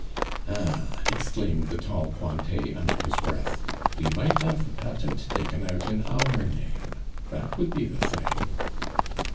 "Ah!" exclaimed the tall Cointet under his breath, "we might have the patent taken out in our name; that would be the thing!"